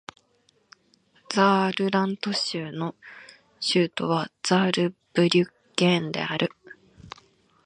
ザールラント州の州都はザールブリュッケンである